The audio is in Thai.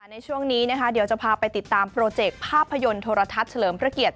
ในช่วงนี้นะคะเดี๋ยวจะพาไปติดตามโปรเจกต์ภาพยนตร์โทรทัศน์เฉลิมพระเกียรติ